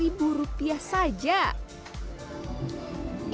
ibu sediati berhasil menjual lentok tanjung